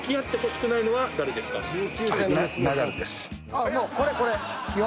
あっもうこれこれ基本。